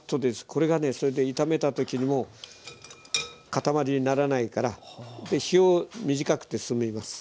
これがね炒めた時にもう固まりにならないから火を短くてすみます。